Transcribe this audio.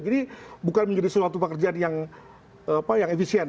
jadi bukan menjadi suatu pekerjaan yang efisien